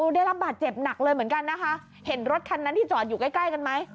ได้รับบาดเจ็บหนักเลยเหมือนกันนะคะเห็นรถคันนั้นที่จอดอยู่ใกล้ใกล้กันไหม